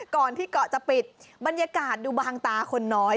ก่อนที่เกาะจะปิดบรรยากาศดูบางตาคนน้อย